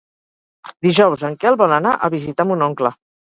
Dijous en Quel vol anar a visitar mon oncle.